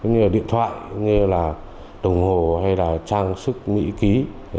như điện thoại đồng hồ hay trang sức mỹ ký đeo trên người để thực hiện hành vi phạm tội